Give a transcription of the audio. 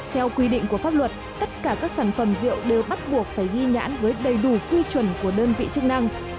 theo quy định của pháp luật tất cả các sản phẩm rượu đều bắt buộc phải ghi nhãn với đầy đủ quy chuẩn của đơn vị chức năng